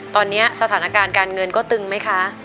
ตอนนี้สถานการณ์การเงินก็ตึงไหมคะ